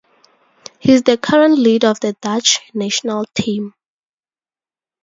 He is the current lead of the Dutch national team.